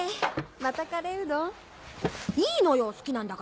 またカレーうどん？いいのよ好きなんだから。